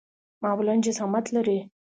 معمولاً جسامت لري.